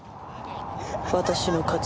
私の勝ち。